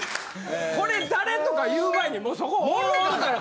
これ誰とか言う前にもうそこおるから。